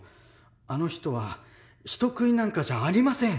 あの人は人食いなんかじゃありません！